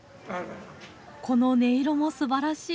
この音色もすばらしい。